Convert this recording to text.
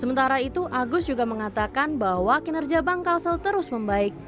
sementara itu agus juga mengatakan bahwa kinerja bank kalsel terus membaik